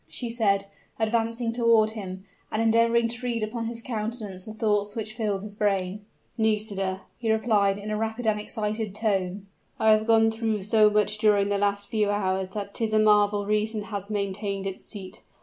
she said, advancing toward him, and endeavoring to read upon his countenance the thoughts which filled his brain. "Nisida," he replied, in a rapid and excited tone, "I have gone through so much during the last few hours that 'tis a marvel reason has maintained its seat.